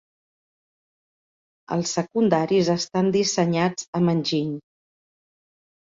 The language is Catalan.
Els secundaris estan dissenyats amb enginy.